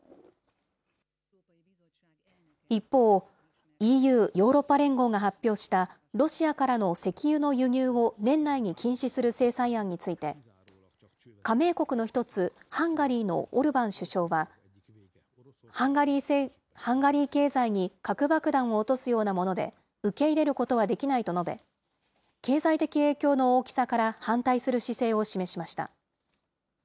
一方、ＥＵ・ヨーロッパ連合が発表したロシアからの石油の輸入を年内に禁止する制裁案について、加盟国の１つ、ハンガリーのオルバン首相は、ハンガリー経済に核爆弾を落とすようなもので、受け入れることはできないと述べ、経済的影響の大きさから反対する姿勢を示しました。